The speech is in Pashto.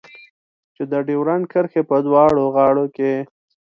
چې د ډيورنډ کرښې په دواړو غاړو کې.